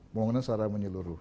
membangun secara menyeluruh